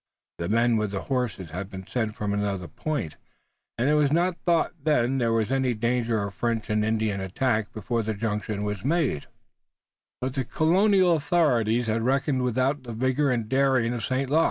The men with the horses had been sent from another point, and it was not thought then that there was any danger of French and Indian attack before the junction was made, but the colonial authorities had reckoned without the vigor and daring of St. Luc.